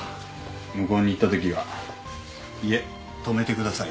向こうに行ったときは家泊めてくださいよ。